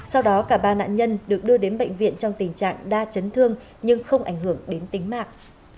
sau đó cả ba nạn nhân được đưa đến bệnh viện trong tình trạng đa chấn thương nhưng không ảnh hưởng đến tính mạng